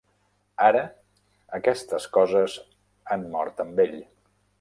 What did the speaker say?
Ara aquestes coses han mort amb ell.